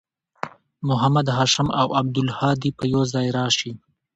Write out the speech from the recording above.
محمد هاشم او عبدالهادي به یوځای راشي